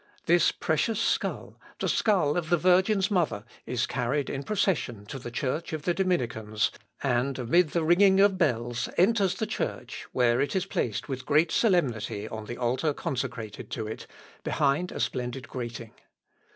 This precious skull, the skull of the Virgin's mother, is carried in procession to the church of the Dominicans, and, amid the ringing of bells, enters the church, where it is placed with great solemnity on the altar consecrated to it, behind a splendid grating.